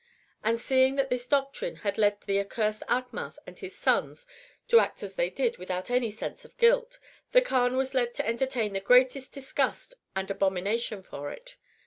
And seeing that this doctrine had led the accursed Achmath and his sons to act as they did without any sense of guilt, the Kaan was led to entertain the preatest disgust and abomination for it.